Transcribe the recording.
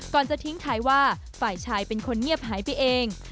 จะทิ้งท้ายว่าฝ่ายชายเป็นคนเงียบหายไปเอง